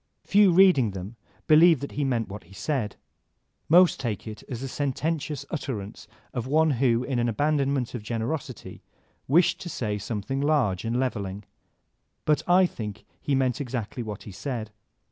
Few, reading them, believe that he meant what he said. Most take it as the sententious utterance of one who, in an abandonment of generosity, wished to say something large and leveling. But I think he meant exactly what he said.